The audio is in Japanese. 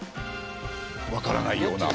わからないような。